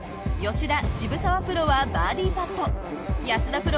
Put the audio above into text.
吉田澁澤プロはバーディパット安田